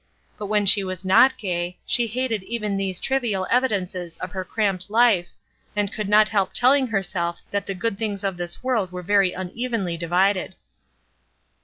But when she was not gay, she hated even these trivial evidences of her cramped life, and could not help telling herself that the good things of this worid were very unevenly divided.